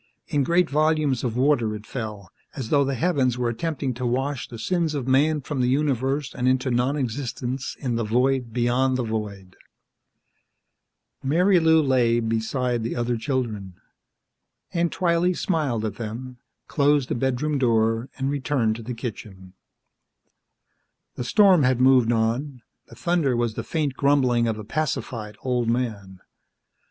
In great volumes of water, it fell, as though the heavens were attempting to wash the sins of man from the universe and into non existence in the void beyond the void. Marilou lay beside the other children. Aunt Twylee smiled at them, closed the bedroom door and returned to the kitchen. The storm had moved on; the thunder was the faint grumbling of a pacified old man.